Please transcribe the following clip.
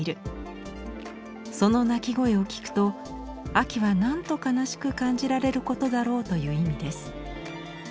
その鳴き声をきくと秋はなんとかなしく感じられることだろうという意味です。